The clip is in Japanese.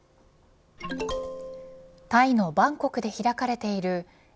タイのバンコクで開かれているＡＰＥＣ